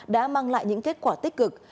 đã mang lại những kết quả tích cực